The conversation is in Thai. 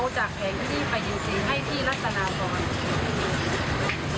เอาจากแผงที่ไปยืนซีงให้ที่ลักษณะตอน